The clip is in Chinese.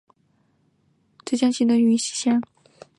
车塘村吴氏宗祠位于浙江省衢州市衢江区云溪乡。